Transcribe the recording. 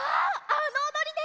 あのおどりね！